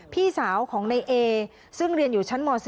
พี่สาวของในเอซึ่งเรียนอยู่ชั้นม๔